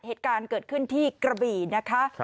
เหตุการณ์เกิดขึ้นที่กระบี่นะคะ